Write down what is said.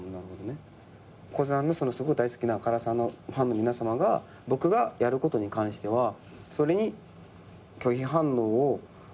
古参の大好きな唐さんのファンの皆さまが僕がやることに関してはそれに拒否反応を芝居見る前でもあると思う。